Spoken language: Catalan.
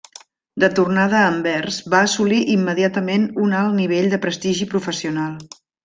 De tornada a Anvers va assolir immediatament un alt nivell de prestigi professional.